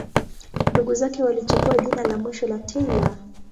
Ndugu zake walichukua jina la mwisho la Taylor.